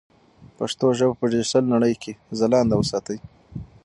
پښتو ژبه په ډیجیټل نړۍ کې ځلانده وساتئ.